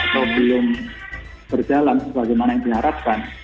atau belum berjalan sebagaimana yang diharapkan